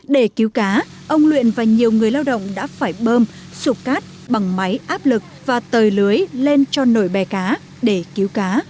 để cứu cá ông luyện và nhiều người lao động đã phải bơm sụp cát bằng máy áp lực và tời lưới lên cho nổi bè cá để cứu cá